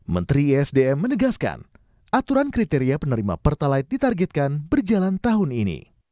menteri isdm menegaskan aturan kriteria penerima pertalite ditargetkan berjalan tahun ini